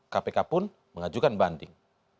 kpk pun mengajukan banding